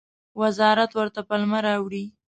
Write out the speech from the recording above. وزارت ورته پلمه راوړي.